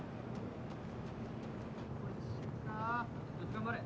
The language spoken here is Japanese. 頑張れ！